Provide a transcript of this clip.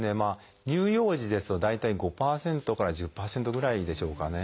乳幼児ですと大体５％から１０％ぐらいでしょうかね。